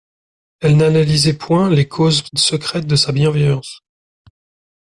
Elle n'analysait point les causes secrètes de sa bienveillance.